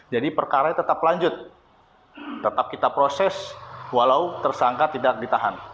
jadi perkara tetap lanjut tetap kita proses walau tersangka tidak ditahan